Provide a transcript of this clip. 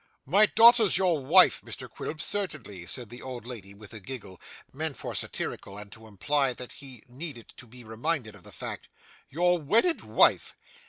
'My daughter's your wife, Mr Quilp, certainly,' said the old lady with a giggle, meant for satirical and to imply that he needed to be reminded of the fact; 'your wedded wife.